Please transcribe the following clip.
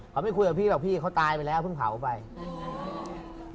เขาไม่คุยกับพี่หรอกพี่เขาตายไปแล้วเพิ่งเผาไปอืม